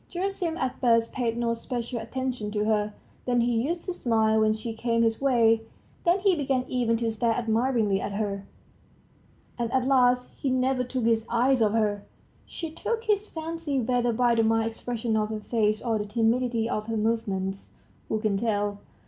Gerasim at first paid no special attention to her, then he used to smile when she came his way, then he began even to stare admiringly at her, and at last he never took his eyes off her. She took his fancy, whether by the mild expression of her face or the timidity of her movements, who can tell?